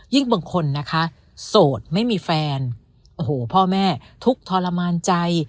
บางคนนะคะโสดไม่มีแฟนโอ้โหพ่อแม่ทุกข์ทรมานใจ